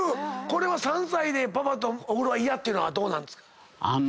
これは３歳でパパとお風呂は嫌っていうのはどうなんですか？